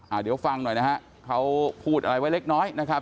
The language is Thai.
เดี๋ยวฟังหน่อยนะฮะเขาพูดอะไรไว้เล็กน้อยนะครับ